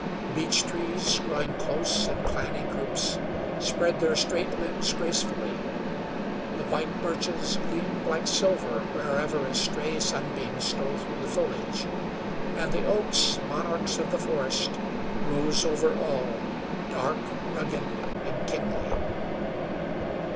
Beech trees, growing close in clanny groups, spread their straight limbs gracefully; the white birches gleamed like silver wherever a stray sunbeam stole through the foliage, and the oaks, monarchs of the forest, rose over all, dark, rugged, and kingly.